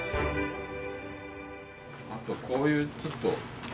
あとこういうちょっと。